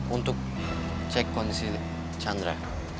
untuk cek kondisi chandra